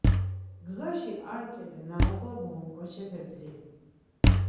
Gzaşi ar ǩele na oǩobğun ǩoçepe bdziri.